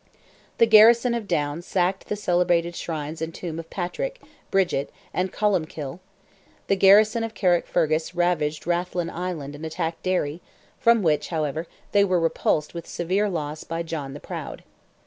The garrison of Down sacked the celebrated shrines and tomb of Patrick, Bridget, and Columbkill; the garrison of Carrickfergus ravaged Rathlin Island and attacked Derry, from which, however, they were repulsed with severe loss by John the Proud.